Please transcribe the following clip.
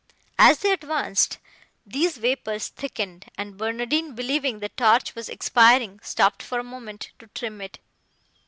As they advanced, these vapours thickened, and Barnardine, believing the torch was expiring, stopped for a moment to trim it.